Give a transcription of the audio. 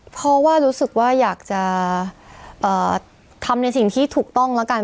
เพราะว่ารู้สึกว่าอยากจะทำในสิ่งที่ถูกต้องแล้วกัน